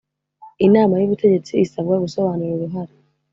Inama y Ubutegetsi isabwa gusobanura uruhare